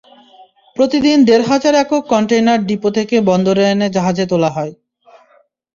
প্রতিদিন দেড় হাজার একক কনটেইনার ডিপো থেকে বন্দরে এনে জাহাজে তোলা হয়।